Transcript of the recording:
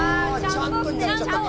「ちゃんと」になっちゃったか。